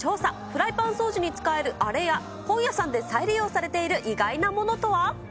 フライパン掃除に使えるあれや、本屋さんで再利用されている意外なものとは。